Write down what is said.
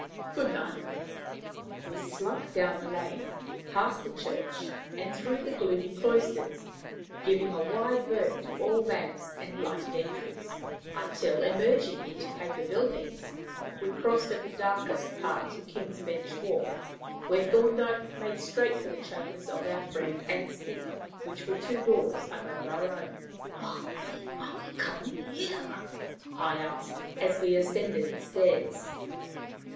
Good night." We slunk down the lane, past the church, and through the gloomy cloisters, giving a wide berth to all lamps and lighted entries, until, emerging into Paper Buildings, we crossed at the darkest part to King's Bench Walk, where Thorndyke made straight for the chambers of our friend Anstey, which were two doors above our own. "Why are we coming here?" I asked, as we ascended the stairs.